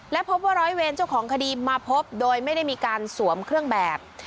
และพบว่าร้อยเวรเจ้าของคดีมาพบโดยไม่ได้มีการสวมเครื่องแบบ